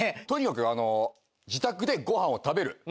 とにかく自宅でご飯を食べる。